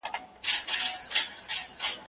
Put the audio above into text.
آسمانه ما خو داسي نه غوښتله